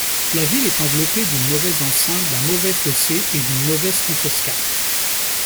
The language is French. La ville est enveloppée d'une mauvaise enceinte, d'un mauvais fossé et d'une mauvaise contrescarpe.